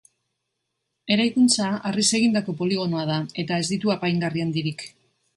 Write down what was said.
Eraikuntza harriz egindako poligonoa da eta ez ditu apaingarri handirik.